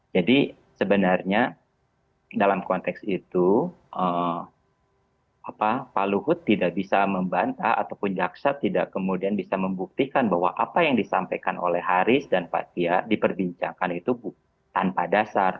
jadi sebenarnya dalam konteks itu pak luhut tidak bisa membanta ataupun jaksa tidak kemudian bisa membuktikan bahwa apa yang disampaikan oleh haris dan pak tia diperbincangkan itu tanpa dasar